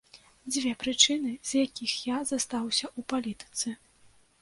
Дзве прычыны, з якіх я застаўся ў палітыцы.